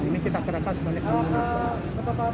ini kita gerakan sebanyak enam menit